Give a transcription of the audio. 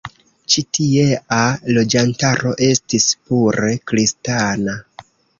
Ĉi tiea loĝantaro estis pure kristana.